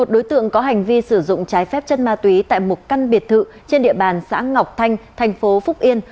một đối tượng có hành vi sử dụng trái phép chất ma túy tại một căn biệt thự trên địa bàn xã ngọc thanh thành phố phúc yên